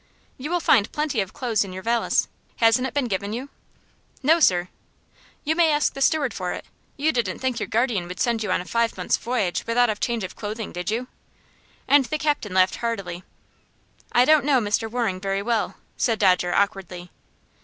"You will find plenty of clothes in your valise. Hasn't it been given you?" "No, sir." "You may ask the steward for it. You didn't think your guardian would send you on a five months' voyage without a change of clothing, did you?" And the captain laughed heartily. "I don't know Mr. Waring very well," said Dodger, awkwardly.